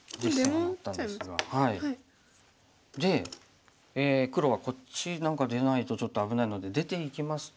で黒はこっち何か出ないとちょっと危ないので出ていきますと。